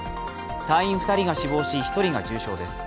隊員２人が死亡し、１人が重傷です。